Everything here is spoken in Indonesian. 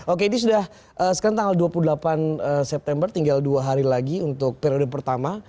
oke ini sudah sekarang tanggal dua puluh delapan september tinggal dua hari lagi untuk periode pertama